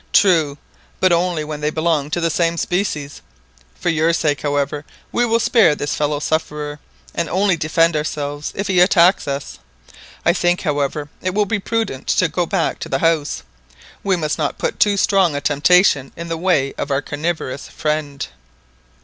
"True, but only when they belong to the same species For your sake, however, we will spare this fellow sufferer, and only defend ourselves if he attack us. I think, however, it will be as prudent to go back to the House. We must not put too strong a temptation in the way of our carnivorous friend!"